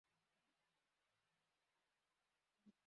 Iyi niyo shusho yabagabo babiri bakora imirimo yisuku